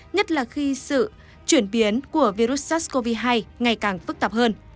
nhất là khi sự chuyển biến của virus sars cov hai ngày càng phức tạp hơn